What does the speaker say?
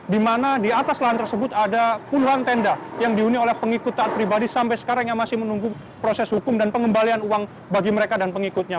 di mana di atas lahan tersebut ada puluhan tenda yang dihuni oleh pengikut taat pribadi sampai sekarang yang masih menunggu proses hukum dan pengembalian uang bagi mereka dan pengikutnya